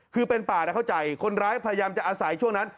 คือเป็นป่าเข้าใจคนร้ายพยายามจะอาศัยช่วงนั้น